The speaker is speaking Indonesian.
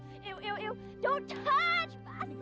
eww eww eww jangan sentuh basah basah